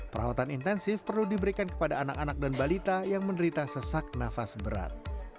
perawatan intensif perlu diberikan kepada anak anak dan balita yang menderita sesak nafas berat